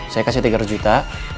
saya kasih tiga ratus juta